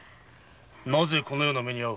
なぜこのような目に遭う？